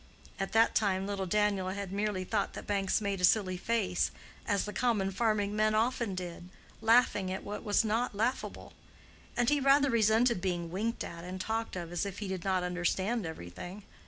At that time little Daniel had merely thought that Banks made a silly face, as the common farming men often did, laughing at what was not laughable; and he rather resented being winked at and talked of as if he did not understand everything.